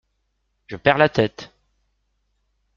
Je perds la tête !